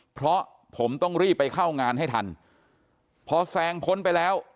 เพราะผมต้องรีบไปเข้างานให้ทันพอแซงพ้นไปแล้ว